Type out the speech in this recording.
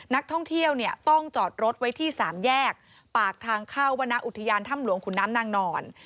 นักท่องเที่ยวเนี่ยต้องจอดรถไว้ที่สามแยกปากทางเข้าวรรณอุทยานถ้ำหลวงขุนน้ำนางนอน